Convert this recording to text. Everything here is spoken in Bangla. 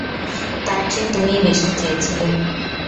তার চেয়ে তুমিই বেশি চেয়েছিলে।